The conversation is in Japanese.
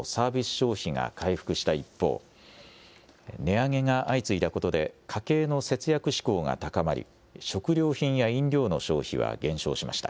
消費が回復した一方、値上げが相次いだことで、家計の節約志向が高まり、食料品や飲料の消費は減少しました。